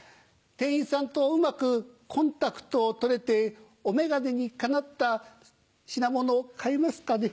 店員さんとうまくコンタクト取れてお眼鏡にかなった品物を買えますかね？